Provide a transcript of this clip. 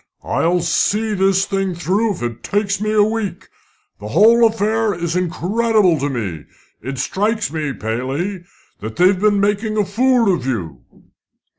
"I'll see the thing through if it takes me a week. The whole affair is incredible to me. It strikes me, Paley, that they've been making a fool of you."